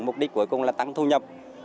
mục đích cuối cùng là tăng thu nhập